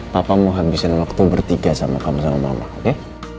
papa mau habisin waktu bertiga sama kamu sama mama